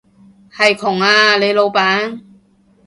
係窮啊，你老闆